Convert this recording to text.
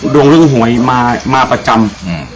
เรื่องหวยมามาประจำ